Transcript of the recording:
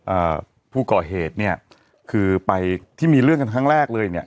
อ่าผู้ก่อเหตุเนี้ยคือไปที่มีเรื่องกันครั้งแรกเลยเนี้ย